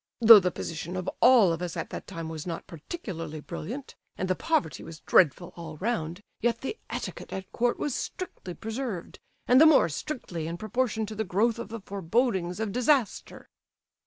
"Though the position of all of us at that time was not particularly brilliant, and the poverty was dreadful all round, yet the etiquette at court was strictly preserved, and the more strictly in proportion to the growth of the forebodings of disaster."